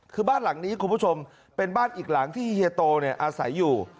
คือบ้านหลังนี้คุณผู้ชมเป็นบ้านอีกหลังที่เฮียโตอาศัยอยู่